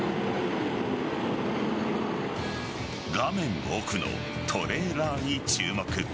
画面奥のトレーラーに注目。